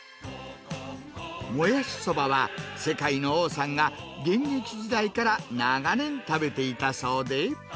もやしそばは世界の王さんが、現役時代から長年食べていたそうで。